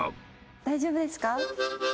大丈夫ですか？